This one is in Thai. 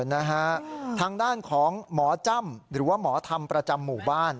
นะฮะทางด้านของหมอจ้ำหรือว่าหมอธรรมประจำหมู่บ้าน